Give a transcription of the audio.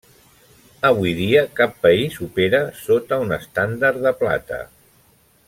Avui dia cap país opera sota un estàndard de plata.